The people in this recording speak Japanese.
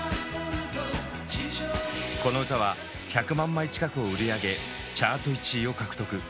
この歌は１００万枚近くを売り上げチャート１位を獲得。